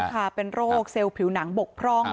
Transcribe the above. ค่ะเป็นโรคเซลล์ผิวหนังบกพร่อง